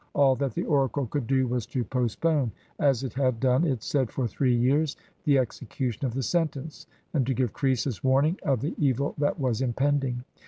All that the oracle could do was to postpone — as it had done, it said, for three years — the execu tion of the sentence, and to give Croesus warning of the evil that was impending.